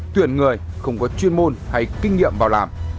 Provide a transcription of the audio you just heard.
tuyển người không có chuyên môn hay kinh nghiệm bảo làm